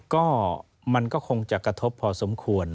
ก็มันก็คงจะกระทบพอสมควร